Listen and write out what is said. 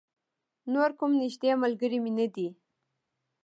نور کوم نږدې ملگری مې نه دی.